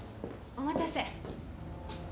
お待たせ。